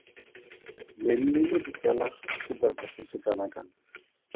Le nnile ditsala sebaka se se kanakang?